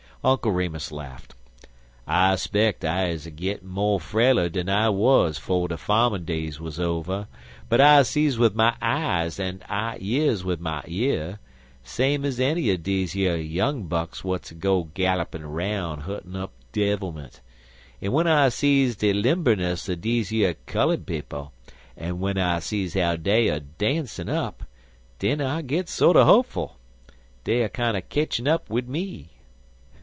Uncle Remus laughed. I speck I is a gittin' mo frailer dan I wuz 'fo' de fahmin days wuz over, but I sees wid my eyes an' I years wid my year, same ez enny er dese yer young bucks w'at goes a gallopin' roun' huntin' up devilment, an' w'en I sees de limberness er dese yer cullud people, an' w'en I sees how dey er dancin' up, den I gits sorter hopeful. Dey er kinder ketchin' up wid me."